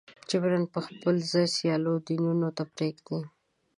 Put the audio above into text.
جبراً به خپل ځای سیالو دینونو ته پرېږدي.